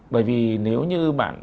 bởi vì nếu như bạn